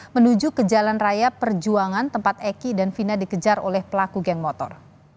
menuju ke jalan raya perjuangan tempat eki dan fina dikejar oleh pelaku geng motor